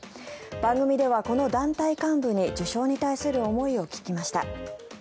番組ではこの団体幹部に受賞に対する思いを聞きました。